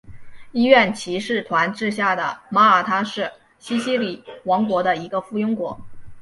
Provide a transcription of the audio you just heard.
医院骑士团治下的马耳他是西西里王国的一个附庸国。